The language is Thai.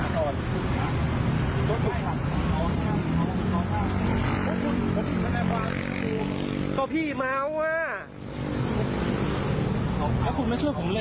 ก็พี่เมาอ่ะอ่ะคุณไม่เชื่อผมเลยเหรอฮะ